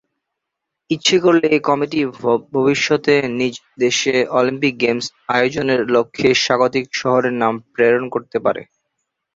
ইচ্ছে করলে এ কমিটি ভবিষ্যতে নিজ দেশে অলিম্পিক গেমস আয়োজনের লক্ষ্যে স্বাগতিক শহরের নাম প্রেরণ করতে পারে।